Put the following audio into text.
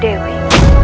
dari kumala dewi